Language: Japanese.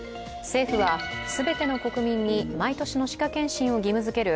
政府は、全ての国民に毎年の歯科検診を義務づける